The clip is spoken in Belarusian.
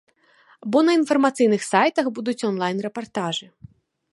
Бо на інфармацыйных сайтах будуць онлайн рэпартажы.